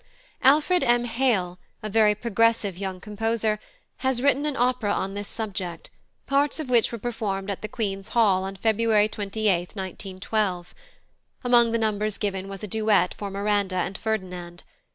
+Alfred M. Hale+, a very progressive young composer, has written an opera on this subject, parts of which were performed at the Queen's Hall on February 28, 1912. Among the numbers given was a duet for Miranda and Ferdinand.